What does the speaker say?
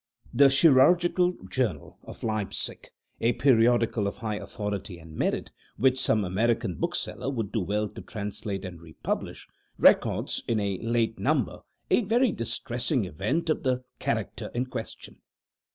The "Chirurgical Journal" of Leipsic a periodical of high authority and merit, which some American bookseller would do well to translate and republish, records in a late number a very distressing event of the character in question.